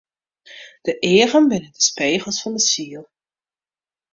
De eagen binne de spegels fan 'e siel.